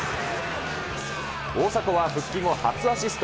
大迫は復帰後、初アシスト。